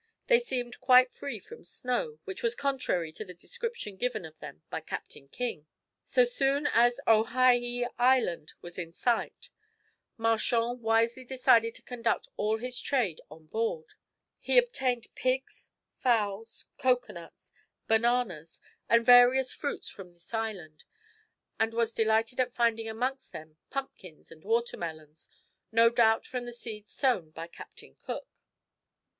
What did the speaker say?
They seemed quite free from snow, which was contrary to the description given of them by Captain King. So soon as Owhyhee Island was in sight, Marchand wisely decided to conduct all his trade on board. He obtained pigs, fowls, cocoa nuts, bananas, and various fruits from this island, and was delighted at finding amongst them pumpkins and watermelons, no doubt from the seeds sown by Captain Cook.